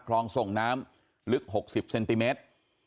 คลองส่งน้ำลึก๖๐เซนติเมตร